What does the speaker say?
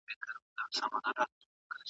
تاسې ولې مسواک په غاښونو وهئ؟